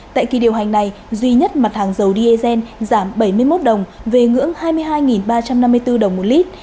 tại kỳ điều hành này duy nhất mặt hàng dầu dsn giảm bảy mươi một đồng về ngưỡng hai mươi hai ba trăm năm mươi bốn đồng một lít